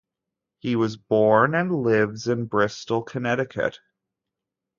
He was born and lives in Bristol, Connecticut.